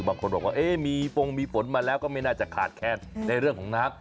บางคนบอกว่ามีฟงมีฝนมาแล้วก็ไม่น่าจะขาดแคลนในเรื่องของน้ำ